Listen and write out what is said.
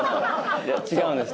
違うんです